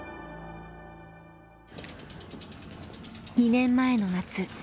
２年前の夏